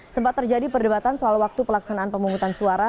sempat terjadi perdebatan soal waktu pelaksanaan pemungutan suara